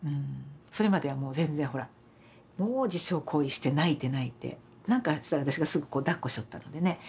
それまではもう全然ほらもう自傷行為して泣いて泣いて何かしたら私がすぐだっこしよったのでね。